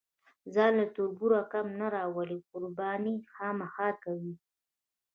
ځان له تربوره کم نه راولي، قرباني خامخا کوي.